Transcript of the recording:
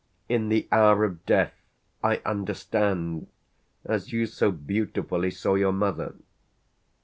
"In the hour of death I understand: as you so beautifully saw your mother."